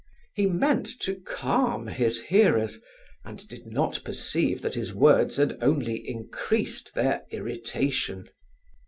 He meant to calm his hearers, and did not perceive that his words had only increased their irritation.